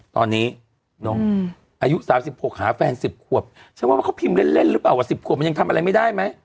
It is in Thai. ตอนนี้น้องอายุ๓๖หาแฟน๑๐ขวบฉันว่าเขาพิมพ์เล่นหรือเปล่าว่า๑๐ขวบมันยังทำอะไรไม่ได้ไหม